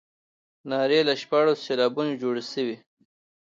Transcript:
نارې له شپاړسو سېلابونو جوړې شوې.